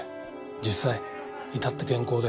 実際至って健康で